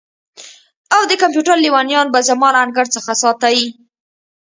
او د کمپیوټر لیونیان به زما له انګړ څخه ساتئ